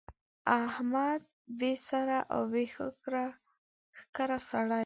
احمد بې سره او بې ښکره سړی دی.